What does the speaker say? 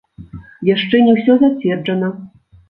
Яшчэ не ўсё зацверджана.